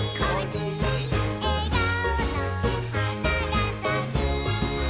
「えがおの花がさく」